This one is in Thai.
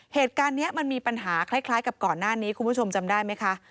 เหตุการณ์นี้มันมีปัญหาคล้ายกับก่อนหน้านี้คุณผู้ชมจำได้ไหมคะ